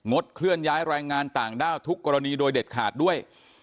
เคลื่อนย้ายแรงงานต่างด้าวทุกกรณีโดยเด็ดขาดด้วย